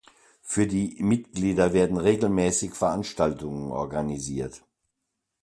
Für die Mitglieder werden regelmäßig Veranstaltungen organisiert.